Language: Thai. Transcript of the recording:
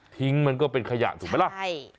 มันก็เป็นขยะถูกไหมล่ะใช่